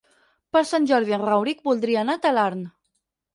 Per Sant Jordi en Rauric voldria anar a Talarn.